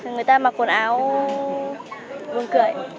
người ta mặc quần áo vương cười